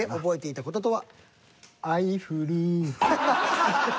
覚えていた事とは？